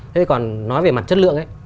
thế còn nói về mặt chất lượng ấy